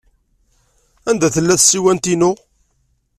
Anda tella tsiwant-inu?